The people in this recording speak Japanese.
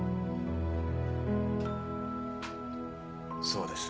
そうです。